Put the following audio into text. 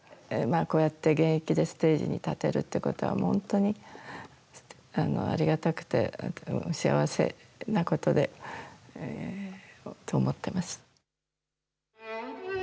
こうやって現役でステージに立てるってことは、もう本当にありがたくて、幸せなことと思ってます。